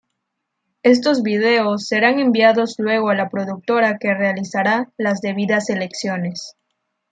Estos videos serán enviados luego a la productora que realizará las debidas selecciones.